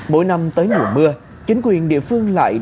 mỗi năm tới mùa mưa chính quyền địa phương lại